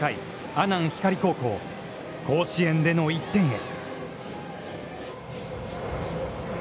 阿南光高校、甲子園での１点へ。